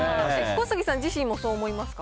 小杉さん自身もそう思いますか？